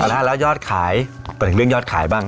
เอาละแล้วยอดขายปกติเรื่องยอดขายบ้าง